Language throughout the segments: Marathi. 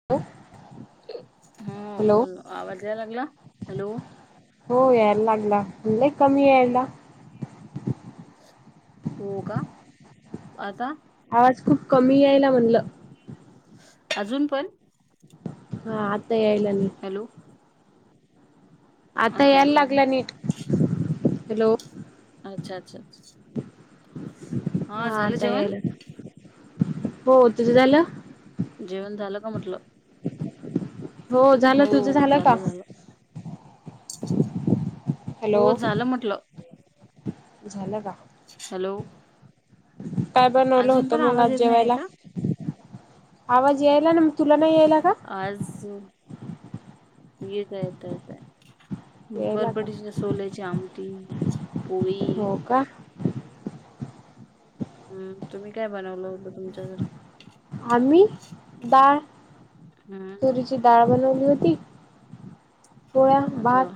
[unintelligible] हो हॅलो बोल आवाज याय लागला हॅलो. हो याय लागला पण लई कमी यायला. हो का आता. आवाज खूप कमी यायला म्हणलं अजून पण. हा आता येला ना. हॅलो. आता यायला लागला नीट हॅलो. अच्छा अच्छा. हा झालं ताई जेवण यायलाय हो तुझ झालं. जेवण झालं का म्हटलं? हो झालं तुझं झालं का? हॅलो हो झालं म्हटलं. झलं का? हॅलो. काय बनवलं अजून होतं पण मग आवाज आज येत नाही आहे जेवायला. का आवाज यायला ना मग तुला नाही यायला का? आज येत येत येतय. यायला का बरबट सोल्याची आमटी पोळी. हो का हम्म तुम्ही काय बनवलं होतं तुमच्याकडे. आम्ही द हम्म. ची डाळ बनवली होती पोळ्या भात. अच्छा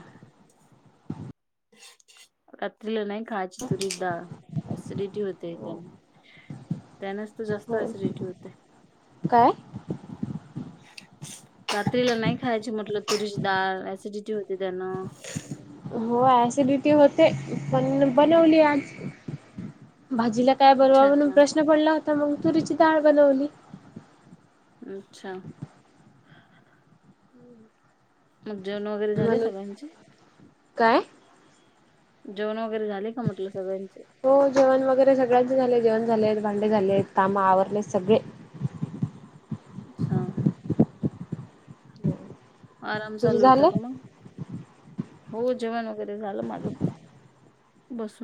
रात्रीला नाही खायची तुरी ाळ सिडिटी होते त्याना. त्यानेच त जास्त हो सिडिटी होते. काय? रात्रीला नाही खायची म्हटलं तुरीची डाळ एसिडिटी होती त्यानं. हो ऍसिडिटी होते पण बनवली आज भाजीला. काय बरवा अच्छा म्हणून अच्छा प्रश्न पडला होता मग तुरीची डाळ बनवली. अच्छा. मग जेवण वगैरे झाले म्हणून. सगळ्यांचे. काय? जेवण वगैरे झाले का म्हटलं सगळ्यांचे. हो जेवण वगैरे सगळ्यांचे झाले जेवण झालेत भांडे झालेत कामा आवरलेत सगळे. अच्छा. आराम तुझे चालू होता झाले का मग हो जेवण वगैरे झालं माझं पण.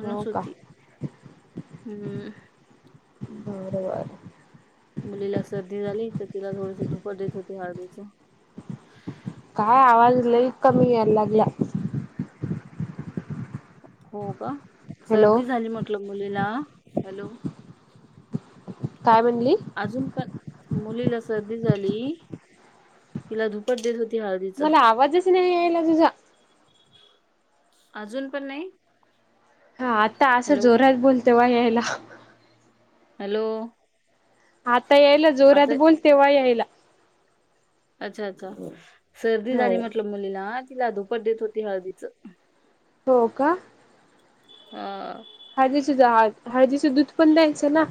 हो का होती हम्म. बरोबर. मुलीला सर्दी झाली तर तिला थोडस धुपट देत होते हळदीच. काय आवाज लई कमी यायला लागला. हो का हॅलो सर्दी झाली म्हटलं मुलीला हॅलो. काय म्हणली? अजून पण मुलीला सर्दी झाली. तिला धुपट देत होती हळदीच. स नाहीला तुझा. अजून पण नाही. हा आता असं हॅलो जोरात बोलते वा यायला. हॅलो. आता यायला जोरात आता बोल तेव्हा यायला. अच्छा अच्छा सर्दी हो झाली म्हटल मुलीला तिला ुपट देत होती हळदीच. हो का? हा. हळजदीचे हळदीेच दूध पण द्यायचं ना.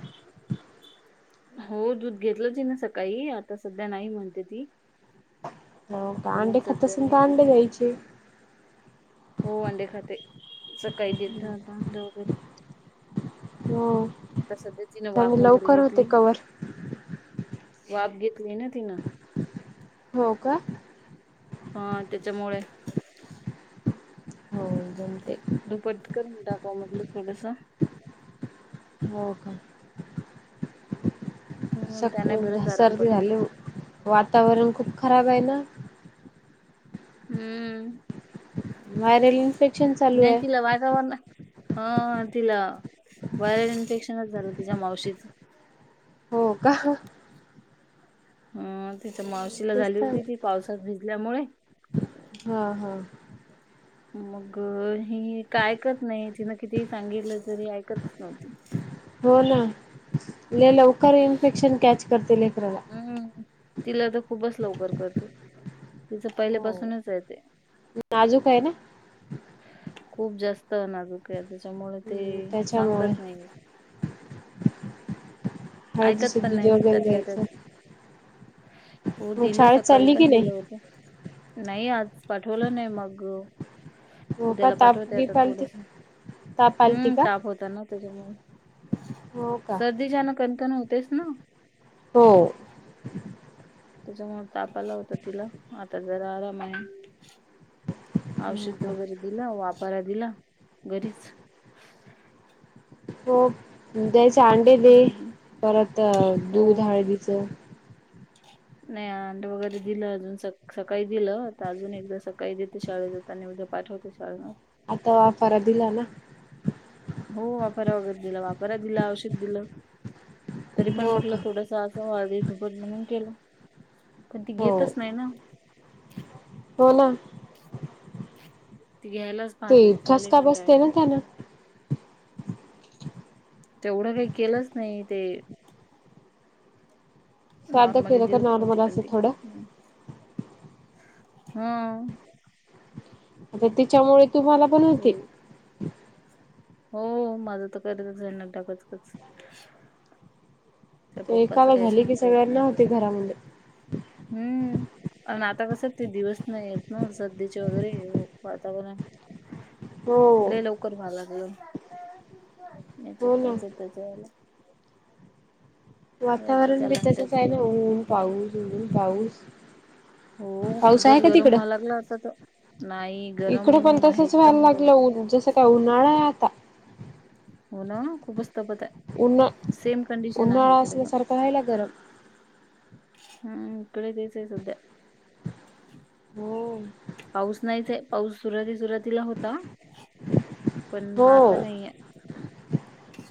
हो दूध घेतलं ती ना सकाळी आता सध्या नाही म्हणते ती. हो का तर मग अंडी खात सध्या असाल नाही तर, अंडी दिलं. घ्यायचे. हो अंडे खाते सकाळी [unintelligible] हो. आता सध्या तिनं वाफ त्यामुळे वगैरे लवकर होते घेतली. कवर वाफ घेतली ना तिनं. हो का? हा त्याच्यामुळे. हो जम ते. दुपटकरून टाक म्हटलं थोडस. हो का? हम्म, त्याने बरंच [unintelligible] आराम सर्दी पडते ना. झाली. वातावरण खूप खराब आहे ना? हम्म. व्हायरल इन्फेक्शन चालू नाही आहे तिला वागाव ना- हा, तिला व्हायरल इन्फेक्शनच झालं, तिच्या मावशीचं. हो का. अ तिच्या मावशीला तेच झाली तर होती, ती पावसात भिजल्यामुळे. हा हा. मग हि काय ऐकत नाही, तिन कितीही सांगितलं, तरी ऐकतच नव्हती. हो ना, लय लवकर इन्फेक्शन कॅच करते लेकराला. हम्म तिला तर खूपच लवकर करते. तिच पहिल्या पाासूनच आहे ते. नाजूक आहे ना खूप जास्त- त नाजुक आहे, त्याच्यामुळे ते त्याच्यामुळे सांगतच नाही. ऐकत हळदीचे पण दूध नाही ना, वगैरे त्यातल्या त्यात. द्यायचं हो मग दिलं, शाळेत सकाळी चालली की पण नाही दिलं होत. नाही आज पाठवलं नाही मग, हो का उद्याला ताप पाठवते आता बीप आलती थोडस. ताप आलती हुं का? ताप होता ना, त्याच्यामुळे. हो का? सर्दीच्या नक- नव्हतेच ना. हो. त्याच्यामुळे तापाला होत तिला, आता जरा आराम आहे. हो औषध का? वगैरे दिलं, वापारा दिला, घरीच. हो द्यायचे अंडे दे, हम्म परत हो दूध हळदीचं. नाही अं अंड वगैरे दिलं अजून. सकाळी दिलं आता अजून एकदा सकाळी देते शाळेत त्यांनी उद्या पाठवते शाळेला आता वाफारा दिला ना? हो वाफारा वगैरे दिला. वाफारा दिला. औषध दिलं. तरी पण हो म्हटलं का? थोडस- हो आधी [unintelligible] म्हणून केलं. पण ती हो घेतच नाही ना..? हो ना ती घ्यायलाच ते [unintelligible] तिला लय ठसका कंटाळा बसते येतो. ना त्यानं. तेवढं काही केलंच नाही ते- साधं नॉर्मली केलं का देऊत नची नॉर्मल पण असं तत थोडं नाही. हम. आता त्याच्यामुळे तुम्हाला पण ते होते. हो माझं तर करताच राहीना डबा च कसं. त्या पप्पाच एकाला काय झाली की सांगता येते नाही सगळ्यांना होते घरामध्ये हुं. आणि आता कसं ते दिवस नाही येत ना सर्दिचे वगैरे वातावरण हो लय लवकर मग लागलं हेच्यात हो ना. त्याच त्याच्यात कळले याच वातावरण बी त्याला आणि तसच त्याच आहे. ना याला न पाऊस ऊन पाऊस हो पाऊस खूपच आहे का गरम तिकडं? व्हांयाला लागला आता तर नाही गरम इकडे पण आहे तसच व्हायला एकदम गरम लागलं जसं काय उन्हाळा आहे आता हो ना खूपच तपत. उन्हा, सेम कंडिशन आहे उन्हाळा इकडे असल्यासारखा राहिला गरम. हम् इकडे तेच आहे सध्या. हो. पाऊस नाहीच आहे पाऊस सुरुाती सुरुवातीला होता, पण हो आता नाहीये.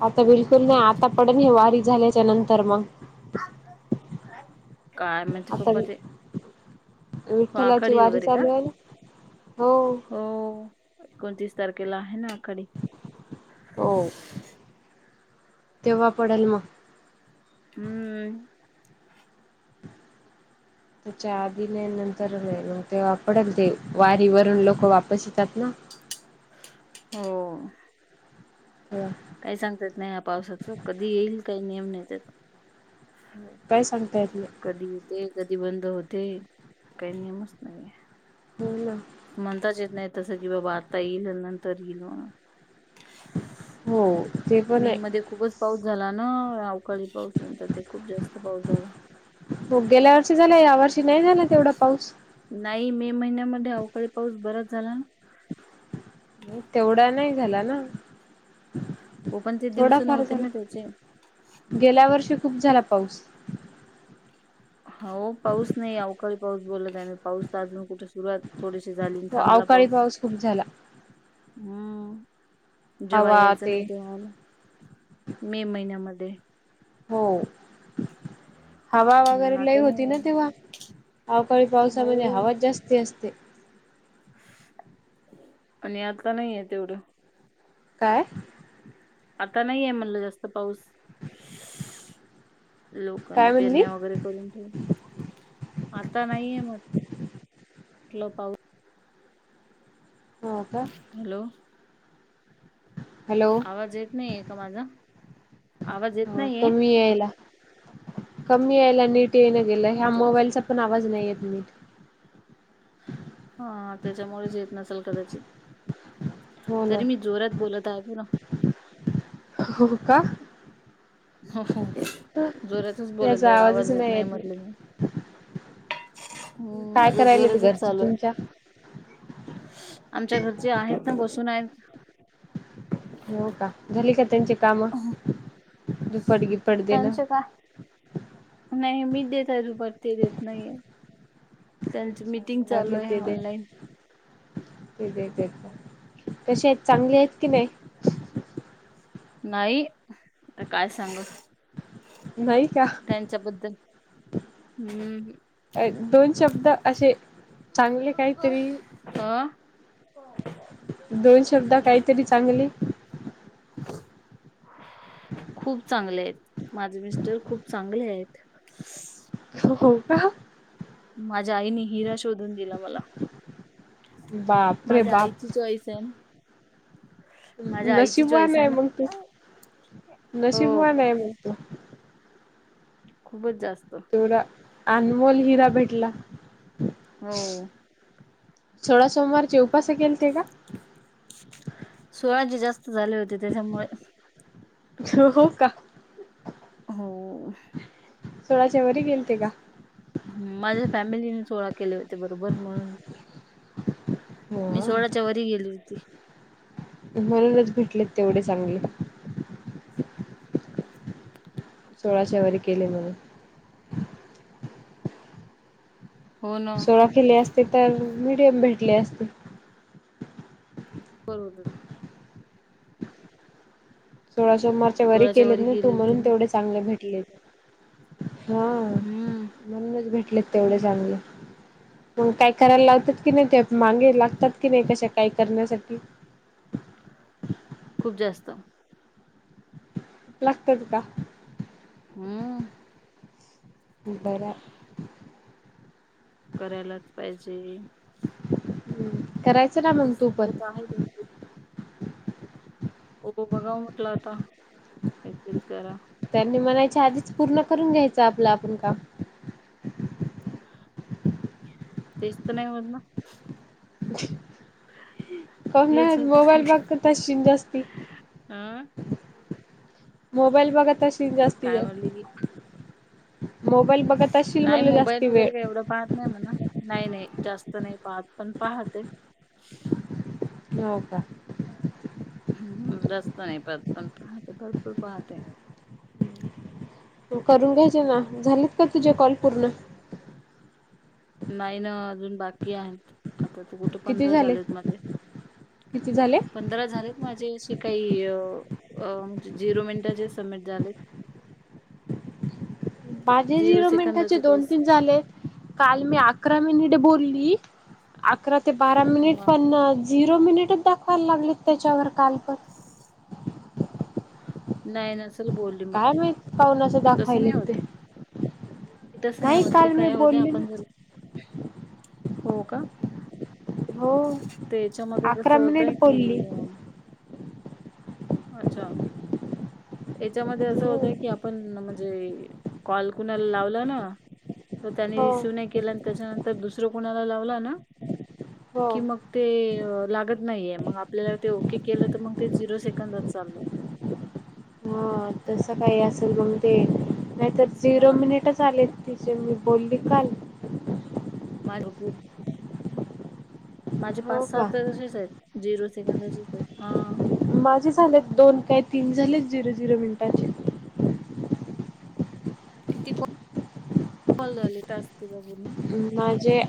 आता बिलकुल नाही, आता पडन हे वारी झाल्याच्या नंतर मग, काय माहिती आता पप्पा ही ते हो विठ्ठलाची आखाडी वारी वगैरे का चालू आहे ना हो. हो एकोणतीस तारखेला आहे, ना आखाडी. हो तेव्हा पडेल मग. हम्म. त्याच्या आ [unintelligible] नंतर मग ते वापडेल ते वारी वरून लोक वापस येतात ना. हो. [unintelligible] काही सांगता येत नाही या पावसाच कधी येईल काही नियम नाही त्याच. काय सांगतायेत नाही. कधी येते कधी बंद होते काही नियमच नाहीये. हो ना म्हणताच येत नाही तसं कि बाबा आता येईल नंतर येईल म्ह हो. ते पण मे आहे मध्ये खूपच पाऊस झाला ना अवकाळी पाऊस नंतर ते खूप जास्त पाऊस झाला. हो गेल्या वर्षी झालं या वर्षी नाही झाला तेवढा पाऊस. नाही मे महिन्यामध्ये अवकाळी पाऊस बराच झाला ना. तेवढा नाही झाला ना, हो पण ते दिवस थोडाफार नव्हते झाला. ना त्याचे गेल्या वर्षी खूप झाला पाऊस. हो पाऊस नाही अवकाळी पाऊस बोलत आहे पाऊस अजून कुठे सुरुवात थोडीशी झालेली थांबला अवकाळी पाऊस. खूप झाला हम्म, जेव्हा हवा यायचं ते नाही तेव्हाला. मे महिन्यामध्ये हो. हवा वगैरे हम्म लय आता होती नाही ना तेव्हा, अवकाळी हो पावसामध्ये हवा जास्ती असते. आणि आता नाहीये तेवढं. काय? आता नाहीये म्हणलं जास्त पाऊस. लोकांनी काय म्हणली पेरण्या वगैरे करून ठेव आता नाहीये म्ह, म्हटलं पाऊस. हो का? हॅलो. हॅलो आवाज येत नाहीये का माझा, आवाज येत ह नाहीये. कमी याला, कमी यायला नीट येन गेलं ह्या अच्छा अच्छा मोबाईलचा पण आवाज नाही येत नीट. हा त्याच्यामुळेच येत नसेल कदाचित. हो ना तरी मी जोरात बोलत आहे पु ना. हो का? हो हो, जोरातच बोलत याचा आहे आवाजच आवाज येत नाही म्हटलं नीट मी. हम्म काय माझा करायलेत जोरतच घरचे चालू आहे. तुमच्या आमच्या घरचे आहेत ना बसून आहेत. हो का? झाली का त्यांची काम दूपरीगी त्यांच काय? नाही मी देत परते देत नाहीये. त्यांची अच्छा मीटिंग चालू आहे ऑनलाईन. कशे आहेत चांगले आहेत की नाही? नाही आता काय सांग, नाही का त्यांच्याबद्दल हम्म दोन शब्द असे चांगले काहीतरी ह. [unintelligible] दोन शब्द काहीतरी चांगली खूप चांगले आहेत माझे मिस्टर खूप चांगले आहेत हो हो का माझ्या आई नी हिरश शोधून दिला मला, बाप रे माझ्या बाप आईची चॉईस आहे. माझ्या आईची नशीबवान चॉईस आहे ना मग तो, हो नसिबवान मग तो. खूपच जास्त. अनमोल हिरा भेटला हो सोळा सोमवारचे उपास केेल ते का सोळा जी जास्त झाले होते त्यांच्यामुळे हो का हो सोळाच्या वरी गेले ते का ह माझ्या फॅमिलीने सोळा केले होते बरोबर म्हणून मी हा सोळाच्या वरी गेली होती म्हणूनच भेटलेत तेवढे चांगले सोळाचा वरी केले म्हणून होन सोळा केले असते तर मीडियम भेटले असते [unintelligible] सोळा सोमवारी वरी सोळाच्या केलेत ना तू गेली होती म्हणून ना तेवढेच चांगले भेटले हा हम्म म्हणूनच भेटलेत तेवढे चांगले मग काय करायला लागतात की नाही ते मागे लागतात की नाही कशा काय करण्यासाठी खूप जास्त लागतात का हम् बरं करायलाच पाहिजे हम कराय [unintelligible] हो बघा म्हटलं आता एकच करा त्यांनी म्हणायच्या आधीच पूर्ण करून घ्यायचं आपलं आपण काम तेच तर नाही हो ना [inaudible] तेच [unintelligible] मोबाईल बघ तशी जास्ती हा मोबाईल बघत असशील काय म्हणले की [unintelligible] मोबाईल बघत असशील नाही म्हणले मोबाईल जास्ती वेळ वगैरे काही एवढं पाहत नाही म्हणा नाही नाही जास्त नाही पाहत पण पाहते न व का हम् जास्त नाही प पण पाहते भरपूर पाहते तु करून घ्यायचे ना झालेत का तुझे कॉल पूर्ण नाही ना अजून बाकी आहे आता तू कुठे किती पंधरा झाले? झालेत माझे किती झाले? जरा झालेत माझे असे काही अ अ झिरो मिनिटाचे सबमिट झालेत माझे झिरो मिनिटाचे सेकंदाचे काही दोन तीन झालेत काल मी अकरा मिनिट बोलली अकरा ते बारा मिनिट हा पण झिरो मिनिटच दाखवायला लागलेत त्याच्यावर काल पण [inaudible] नाही नसल बोल. काय नाही पाहनाचं दाखवायला ते तसे नाही हो ते काल मी काय होते बोलली आपण ना. जर हो का. हो त्यांच्यामध्ये कस अकरा मिनिट होतय कि बोलली. अच्छा! याच्यामध्ये असं हो होतय की आपण म्हणजे कॉल कुणाला लावला ना तर त्यानी रिसीव हो नाही केला आणि त्यांच्यानंतर दुसरं कोणाला लावला ना की मग ते लागत नाहीये मग आपल्याला ते ओके केलं तर मग ते झिरो सेकंदच चाललं हा तस काही असेल मग ते नाहीतर झिरो झाला म माझ मिनिट चालेत तिचे मी बोलली काल माझ. माझे हो पाच सात का तसेच आहेत झिरो सेकंदशीच आहेत हा. माझे झालेत दोन काही तीन झाले झिरो झिरो मिनिटांचे. कितील झाले तास तज परण म्हणजे.